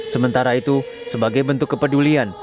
sementara itu sebagai bentuk kepedulian